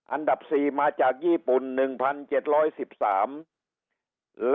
อันดับ๔มาจากญี่ปุ่น๑๗๑๓